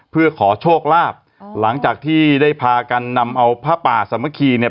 เพื่อขอโชคลาภหลังจากที่ได้พากันนำเอาผ้าป่าสามัคคีเนี่ย